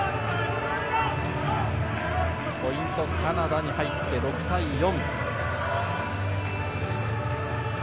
ポイント、カナダに入って６対４。